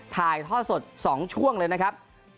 ถ่ายท่อสด๒ช่วงเลยนะครับ